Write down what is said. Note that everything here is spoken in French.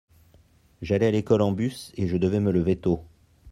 J'allais à l'école en bus et je devais me lever tôt.